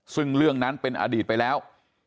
ซึ่งเรื่องนั้นเป็นอดีตไปแล้ว